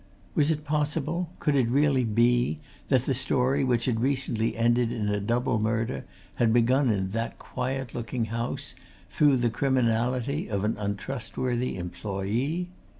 Was it possible could it really be that the story which had recently ended in a double murder had begun in that quiet looking house, through the criminality of an untrustworthy employee?